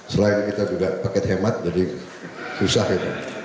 selain itu juga paket hemat jadi susah kita